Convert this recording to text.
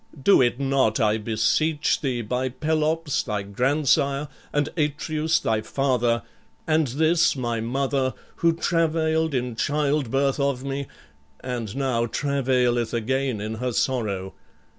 Do it not, I beseech thee, by Pelops thy grandsire, and Atreus thy father, and this my mother, who travailed in childbirth of me and now travaileth again in her sorrow.